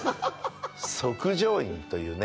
即成院というね。